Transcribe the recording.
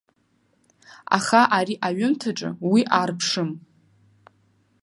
Аха ари аҩымҭаҿы уи аарԥшым.